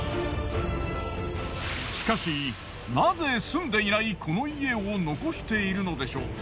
しかしナゼ住んでいないこの家を残しているのでしょう？